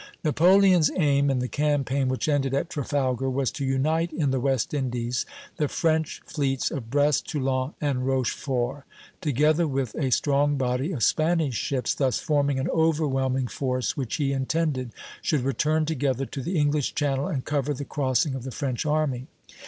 Napoleon's aim, in the campaign which ended at Trafalgar, was to unite in the West Indies the French fleets of Brest, Toulon, and Rochefort, together with a strong body of Spanish ships, thus forming an overwhelming force which he intended should return together to the English Channel and cover the crossing of the French army.